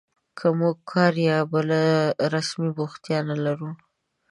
که موږ کار یا بله رسمي بوختیا نه لرو